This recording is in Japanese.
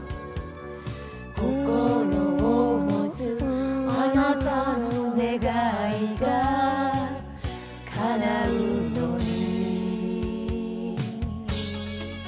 「心を持つあなたの願いがかなうのに」